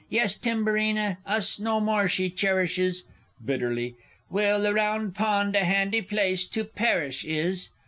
Yes, Timburina, us no more she cherishes (Bitterly.) Well, the Round Pond a handy place to perish is!